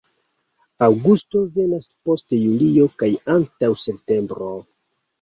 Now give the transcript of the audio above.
Aŭgusto venas post julio kaj antaŭ septembro.